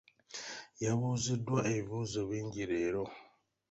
Yabuuziddwa ebibuuzo bingi leero.